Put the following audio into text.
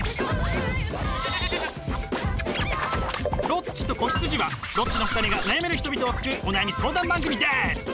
「ロッチと子羊」はロッチの２人が悩める人々を救うお悩み相談番組です！